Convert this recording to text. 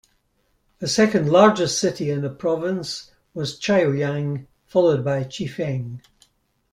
The second largest city in the province was Chaoyang, followed by Chifeng.